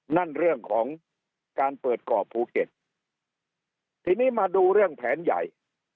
นั่นเรื่องของการเปิดก่อภูเก็ตทีนี้มาดูเรื่องแผนใหญ่